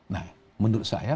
nah menurut saya